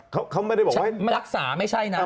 เขาไม่ได้บอกว่ารักษาไม่ใช่นะ